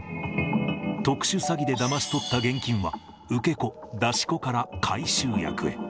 特殊詐欺でだまし取った現金は、受け子、出し子から回収役へ。